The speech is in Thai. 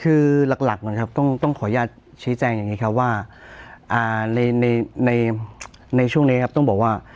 คือหลักนะครับต้องขออนุญาตชี้แจงอย่างนี้ครับว่าในช่วงนี้ครับต้องบอกว่า